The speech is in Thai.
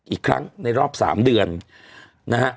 อีกครั้งในรอบ๓เดือนนะฮะ